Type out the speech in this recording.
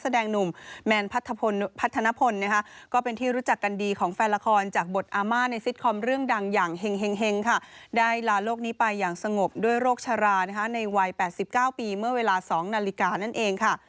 โดยโรคชาราในวัย๘๙ปีเมื่อเวลา๒นาฬิกานั่นเองค่ะ